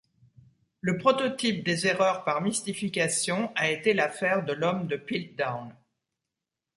Le prototype des erreurs par mystification a été l'affaire de l'homme de Piltdown.